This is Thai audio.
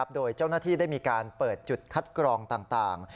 โดยเจ้าหน้าที่ได้มีการเปิดจุดคัดกรองต่าง